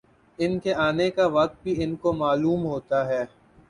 ان کے آنے کا وقت بھی ان کو معلوم ہوتا ہے